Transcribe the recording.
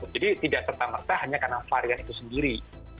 jadi tidak serta merta hanya karena varian itu sendiri